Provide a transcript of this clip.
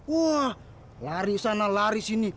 wah lari sana lari sini